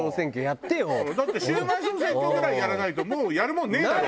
だって「シュウマイ総選挙」ぐらいやらないともうやるもんねえだろ。